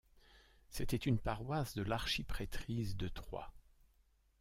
C'était une paroisse de l'archipretrise de Troyes.